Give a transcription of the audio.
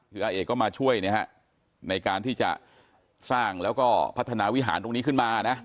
คืออาเอกก็มาช่วยนะฮะในการที่จะสร้างแล้วก็พัฒนาวิหารตรงนี้ขึ้นมานะ